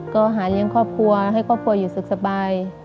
ก็หาเลี้ยงครอบครัวให้ครอบครัวอยู่สุขสบาย